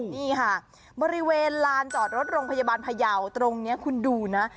นี่ค่ะบริเวณลานจอดรถโรงพยาบาลพยาวตรงนี้คุณดูนะ